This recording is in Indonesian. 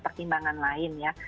pertimbangan pertimbangan lain ya